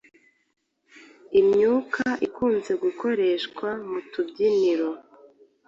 imyuka ikunze gukoreshwa mu tubyiniro